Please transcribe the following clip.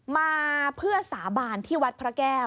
มาเพื่อสาบานที่วัดพระแก้ว